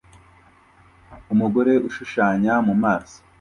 Umugore ushushanya mu maso